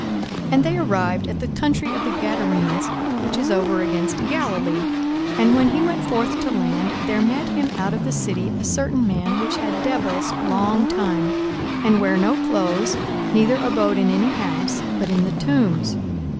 42:008:026 And they arrived at the country of the Gadarenes, which is over against Galilee. 42:008:027 And when he went forth to land, there met him out of the city a certain man, which had devils long time, and ware no clothes, neither abode in any house, but in the tombs.